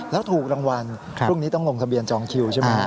แล้วถูกรางวัลพรุ่งนี้ต้องลงทะเบียนจองคิวใช่ไหม